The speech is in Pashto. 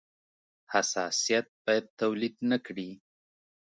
حساسیت باید تولید نه کړي.